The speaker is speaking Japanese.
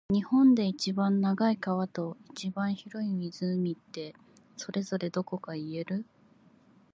日本で一番長い川と、一番広い湖って、それぞれどこか言える？